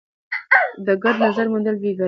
د ګډ نظر موندل يې بريا بلله.